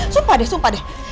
sumpah deh sumpah deh